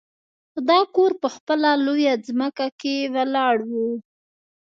دا کور په خپله لویه ځمکه کې ولاړ و